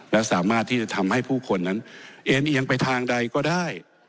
และสามารถที่จะทำให้ผู้คนนั้นเอ็นเอียงไปทางใดก็ได้